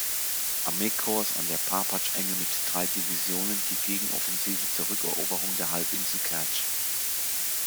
Armeekorps an der Parpatsch-Enge mit drei Divisionen die Gegenoffensive zur Rückeroberung der Halbinsel Kertsch.